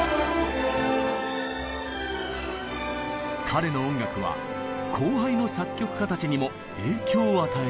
彼の音楽は後輩の作曲家たちにも影響を与えています。